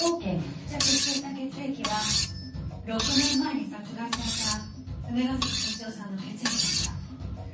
付着していた血液は６年前に殺害された梅ヶ崎俊雄さんの血液だった。